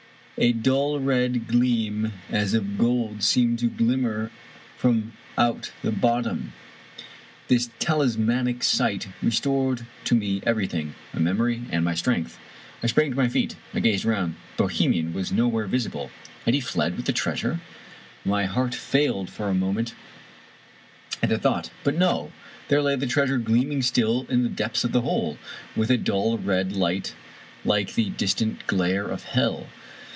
A dull red gleam as of gold seemed to glimmer from out the bot tom. This talismanic sight restored to me everything — ^my memory and my strength. I sprang to my feet: I gazed around. The Bohemian was nowhere visible. Had he fled with the treasure? My heart failed me for a moment at the thought ; but, no ! there lay the treasure gleaming still in the depths of the hole, with a dull red light like the dis tant glare of hell.